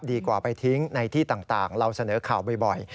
ดีกว่าไปทิ้งในที่ต่างเราเสนอข่าวบ่อย